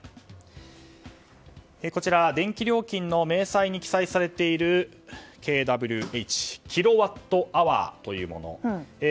電気料金の明細に記載されているｋＷｈキロワットアワーというもの。